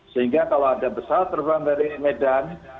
sehingga kalau ada pesawat terbang dari medan